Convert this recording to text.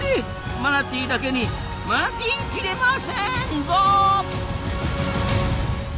マナティーだけにマナティきれませんぞ！